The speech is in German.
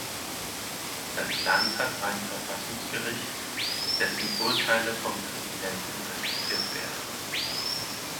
Das Land hat ein Verfassungsgericht, dessen Urteile vom Präsidenten respektiert werden.